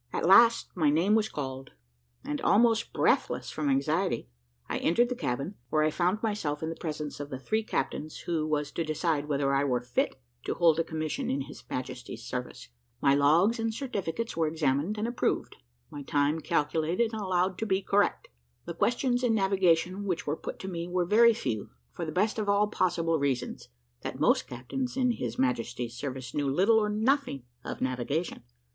At last my name was called, and, almost breathless from anxiety, I entered the cabin, where I found myself in presence of the three captains who was to decide whether I were fit to hold a commission in His Majesty's service. My logs and certificates were examined and approved; my time calculated and allowed to be correct. The questions in navigation which were put to me were very few, for the best of all possible reasons, that most captains in His Majesty's service knew little or nothing of navigation.